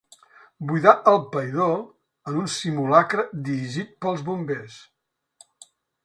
Buidar el païdor en un simulacre dirigit pels bombers.